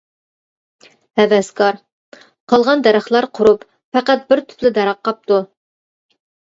ھەۋەسكار:قالغان دەرەخلەر قۇرۇپ، پەقەت بىر تۈپلا دەرەخ قاپتۇ.